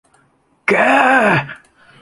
แก